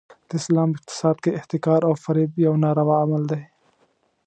د اسلام اقتصاد کې احتکار او فریب یو ناروا عمل دی.